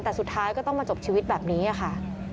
แต่สุดท้ายก็ต้องมาจบชีวิตแบบนี้ค่ะ